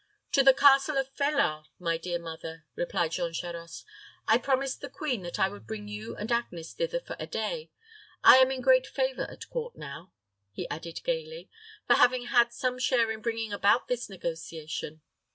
"To the castle of Felard, my dear mother," replied Jean Charost. "I promised the queen that I would bring you and Agnes thither for a day. I am in great favor at court now," he added, gayly, "for having had some share in bringing about this negotiation.